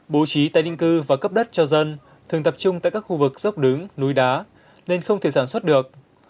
bố trí tái định cư và cấp đất cho dân thường tập trung tại các khu vực dốc đứng núi đá nên không thể sản xuất được